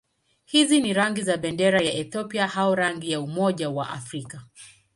Hizi ni rangi za bendera ya Ethiopia au rangi za Umoja wa Afrika.